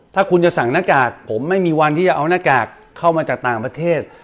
ถ้าคุณจะสั่งหน้ากากผมไม่มีวันที่จะเอาหน้ากากเข้ามาจากต่างประเทศ